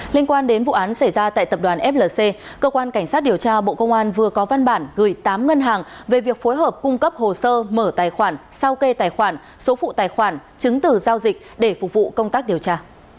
liên quan đến vụ án xảy ra tại tập đoàn flc cơ quan cảnh sát điều tra bộ công an vừa có văn bản gửi tám ngân hàng về việc phối hợp cung cấp hồ sơ mở tài khoản sao kê tài khoản số phụ tài khoản chứng từ giao dịch để phục vụ công tác điều tra